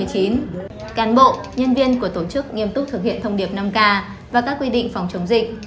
cán bộ nhân viên của tổ chức nghiêm túc thực hiện thông điệp năm k và các quy định phòng chống dịch